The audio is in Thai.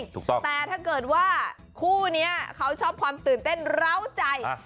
ถูกต้องแต่ถ้าเกิดว่าคู่นี้เขาชอบความตื่นเต้นร้าวใจ